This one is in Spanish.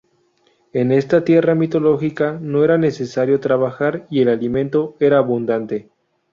En esta tierra mitológica no era necesario trabajar y el alimento era abundante.